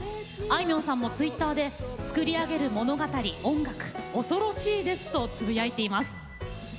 あいみょんさんもツイッターで「作り上げる物語、音楽、恐ろしいです。」とつぶやいています。